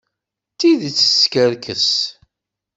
Deg tidet, teskerkes.